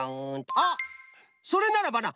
あっそれならばな